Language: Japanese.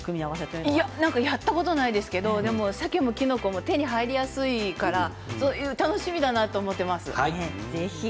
やったことないですけれど、さけもきのこも手に入りやすいから楽しみだなと思っています。